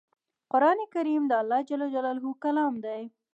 قرآن کریم د الله ج کلام دی